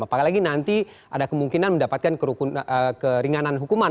apalagi nanti ada kemungkinan mendapatkan keringanan hukuman